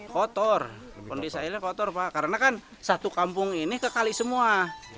kotor kondisi airnya kotor pak karena kan satu kampung ini kekali semua